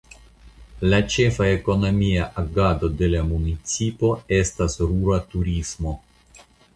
La ĉefa ekonomia agado de la municipo estas rura turismo.